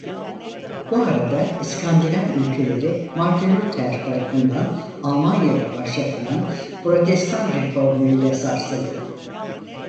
Bu arada İskandinav ülkeleri Martin Luther tarafından Almanya'da başlatılan Protestan Reformu ile sarsıldı.